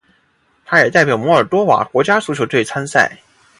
他也代表摩尔多瓦国家足球队参赛。